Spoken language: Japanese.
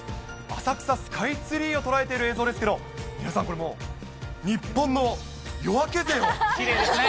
浅草、スカイツリーを捉えている映像ですけど、皆さん、これもう、きれいですね。